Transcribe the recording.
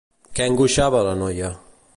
Què angoixava la noia?